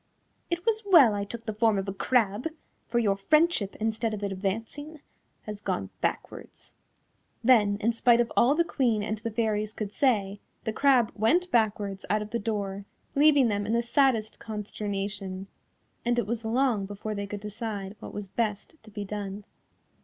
It was well I took the form of a crab, for your friendship instead of advancing has gone backwards." Then in spite of all the Queen and the Fairies could say, the crab went backwards out of the door, leaving them in the saddest consternation, and it was long before they could decide what was best to be done.